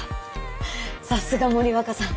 さすが森若さん。